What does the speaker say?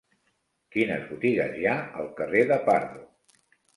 Quines botigues hi ha al carrer de Pardo?